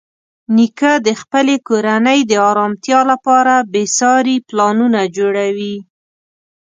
نیکه د خپلې کورنۍ د ارامتیا لپاره بېساري پلانونه جوړوي.